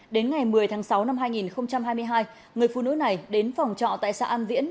đến ngày một mươi tháng sáu năm hai nghìn hai mươi hai người phụ nữ này đến phòng trọ tại xã an viễn